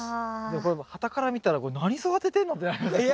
これはたから見たら何育ててんのってなりますよね。